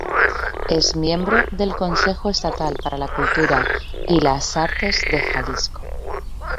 Es miembro del Consejo Estatal para la Cultura y las Artes de Jalisco.